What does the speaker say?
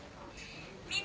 みんな。